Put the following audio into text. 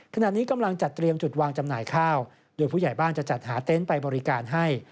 ขณะนี้กำลังจัดเตรียมจุดวางจำหน่ายข้าวโดยผู้ใหญ่บ้านจะจัดหาเต็นต์ไปบริการให้